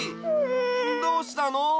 どうしたの？